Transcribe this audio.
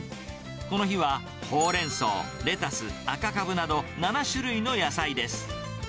この日はホウレンソウ、レタス、赤カブなど、７種類の野菜です。